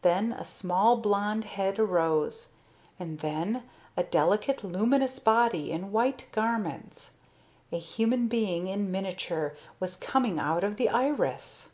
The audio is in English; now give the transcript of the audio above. Then a small blond head arose, and then a delicate luminous body in white garments. A human being in miniature was coming up out of the iris.